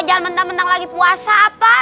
jangan mentang mentang lagi puasa apa